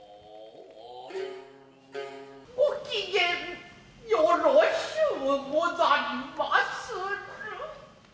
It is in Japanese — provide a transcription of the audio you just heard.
ご機嫌よろしゅうござりまする。